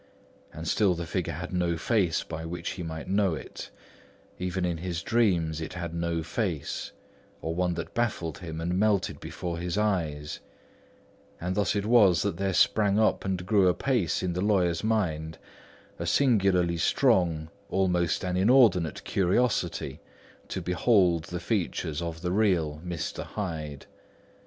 And still the figure had no face by which he might know it; even in his dreams, it had no face, or one that baffled him and melted before his eyes; and thus it was that there sprang up and grew apace in the lawyer's mind a singularly strong, almost an inordinate, curiosity to behold the features of the real Mr. Hyde.